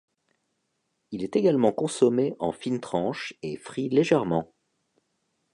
Il est également consommé en fines tranches et frit légèrement.